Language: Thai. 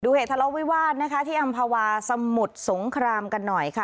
เหตุทะเลาวิวาสนะคะที่อำภาวาสมุทรสงครามกันหน่อยค่ะ